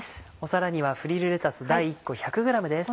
皿にはフリルレタス大１個１００ｇです。